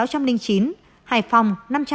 hải phòng năm trăm chín mươi hai